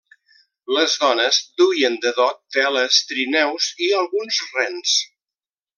Les dones duien de dot teles, trineus i alguns rens.